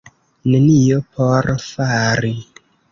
Nenio por fari.